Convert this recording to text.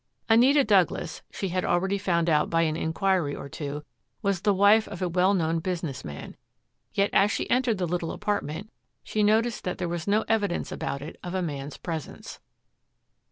Anita Douglas, she had already found out by an inquiry or two, was the wife of a well known business man. Yet, as she entered the little apartment, she noticed that there was no evidence about it of a man's presence.